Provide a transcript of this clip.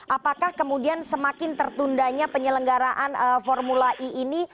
apakah kemudian semakin tertundanya penyelenggaraan formula e ini